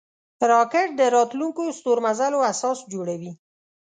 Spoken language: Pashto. راکټ د راتلونکو ستورمزلو اساس جوړوي